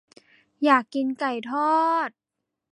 อยากกินไก่ทอด